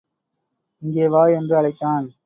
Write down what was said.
இங்கே வா என்று அழைத்தான்.